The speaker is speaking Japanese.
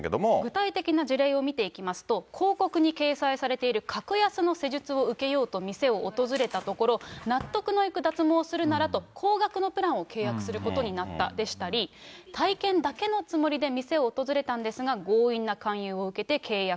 具体的な事例を見ていきますと、広告に掲載されている格安の施術を受けようと店を訪れたところ、納得のいく脱毛をするならと、高額のプランを契約することになったでしたり、体験だけのつもりで店を訪れたんですが、強引な勧誘を受けて契約。